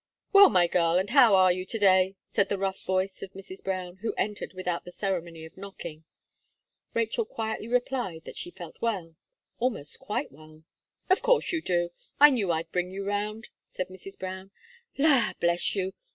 "Well, my girl, and how are you to day?" said the rough voice of Mrs. Brown, who entered without the ceremony of knocking. Rachel quietly replied that she felt well almost quite well. "Of course you do. I knew I'd bring you round," said Mrs. Brown. "La bless you!